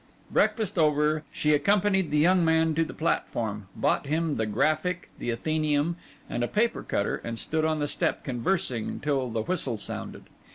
Breakfast over, she accompanied the young man to the platform, bought him the Graphic, the Athenæum, and a paper cutter, and stood on the step conversing till the whistle sounded.